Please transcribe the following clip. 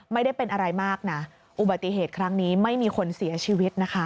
ไม่ได้เป็นอะไรมากนะอุบัติเหตุครั้งนี้ไม่มีคนเสียชีวิตนะคะ